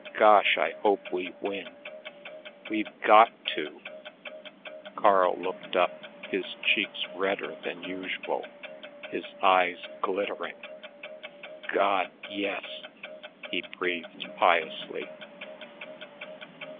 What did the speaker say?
"Gosh, I hope we win. We've got to!" Carl looked up, his cheeks redder than usual, his eyes glittering. "God, yes!" he breathed piously.